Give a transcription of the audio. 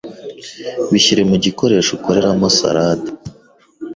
Bishyire mu gikoresho ukoreramo salade